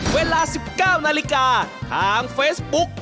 เวลา๑๙นาฬิกาทางเฟซบุ๊ก